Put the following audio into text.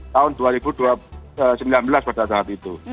tahun dua ribu sembilan belas pada saat itu